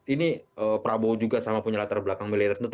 ini prabowo juga sama punya latar belakang militer